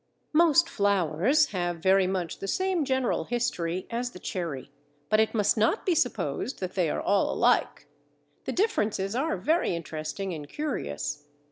Most flowers have very much the same general history as the cherry, but it must not be supposed that they are all alike. The differences are very interesting and curious.